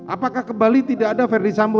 apakah ke bali tidak ada verdi sambo